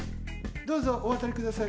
どうぞおわたりください。